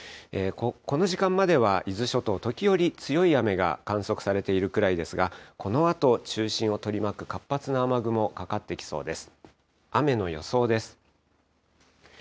この時間までは伊豆諸島、時折強い雨が観測されているくらいですが、このあと中心を取り巻く活発な雨雲、かかってきそうです。